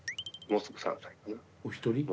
もうすぐ３はい。